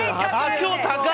今日、高い！